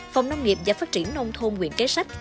phòng nông nghiệp và phát triển nông thôn nguyện cái sách